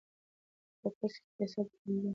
په کورس کې فیصل ته د نجونو په اړه بد څه ویل شوي وو.